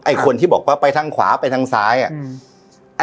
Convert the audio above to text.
ไอ้คนที่บอกว่าไปทางขวาไปทางซ้ายอะ